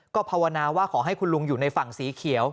ก็ภาวนาว่าขอให้คุณลุงอยู่ในฝั่งสีเขียว